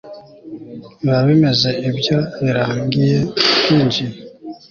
biba bimeze ibyo birangiye twinjiye